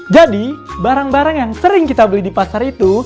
jadi barang barang yang sering kita beli di pasar itu